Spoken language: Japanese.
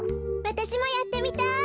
わたしもやってみたい。